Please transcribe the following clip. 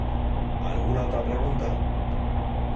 ¿ alguna otra pregunta?